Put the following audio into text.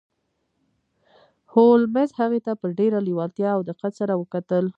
هولمز هغې ته په ډیره لیوالتیا او دقت سره وکتل